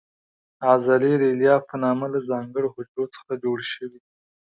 عضلې د الیاف په نامه له ځانګړو حجرو څخه جوړې شوې دي.